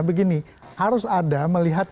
begini harus ada melihat